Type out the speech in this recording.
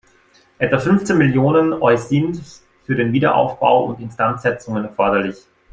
Etwa fünfzehn Millionen Eusind für den Wiederaufbau und Instandsetzungen erforderlich.